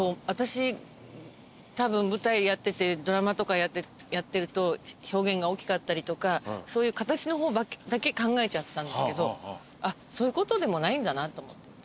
私たぶん舞台やっててドラマとかやってると表現が大きかったりとかそういう形の方だけ考えちゃってたんですけどそういうことでもないんだなと思って。